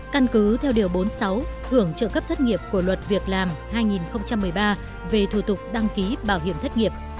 căn cứ theo điều bốn mươi sáu hưởng trợ cấp thất nghiệp của luật việc làm hai nghìn một mươi ba về thủ tục đăng ký bảo hiểm thất nghiệp